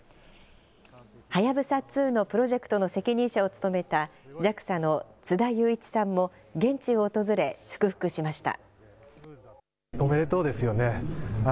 はやぶさ２のプロジェクトの責任者を務めたＪＡＸＡの津田雄一さんも現地を訪れ、祝福しました。